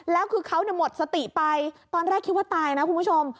แล้วคือเขาหมดสติไปตอนแรกคิดว่าตายนะคุณผู้ชม